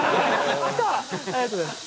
ありがとうございます。